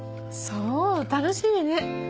そう楽しみね。